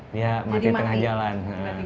dia mati tengah jalan